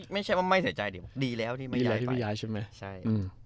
ไม่ใช่ว่าไม่เสียใจดีแล้วที่ไม่ย้ายไป